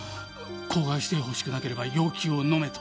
口外してほしくなければ要求をのめと。